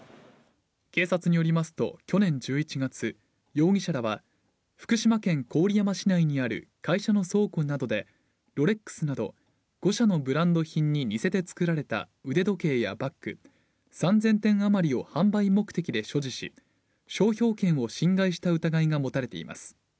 警察によりますと、去年１１月、容疑者らは、福島県郡山市にある会社の倉庫などで、ロレックスなど５社のブランド品に似せて作られた腕時計やバッグ、３０００点余りを販売目的で所持し、商標権を侵害した疑いが持たれています。